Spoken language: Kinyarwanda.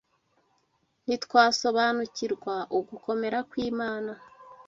Ntitwasobanukirwa ugukomera kw’Imana